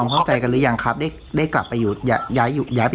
คือคือคือคือคือ